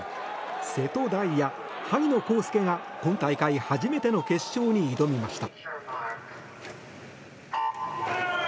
瀬戸大也、萩野公介が今大会初めての決勝に挑みました。